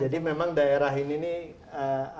jadi memang daerah ini nih